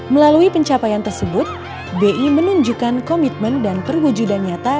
melalui pencapaian tersebut bi menunjukkan komitmen dan perwujudan nyata